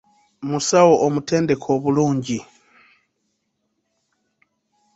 Musawo omutendeke obulungi.